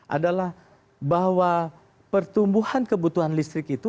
adalah bahwa pertumbuhan kebutuhan listrik itu